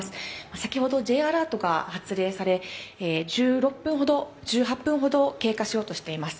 先ほどＪアラートが発令され、１８分ほど経過しようとしています。